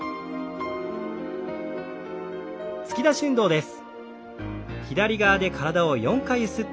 突き出し運動です。